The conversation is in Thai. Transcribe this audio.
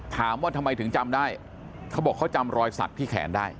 ถามว่าทำไมถึงจำได้เขาบอกเขาจำรอยสักที่แขนได้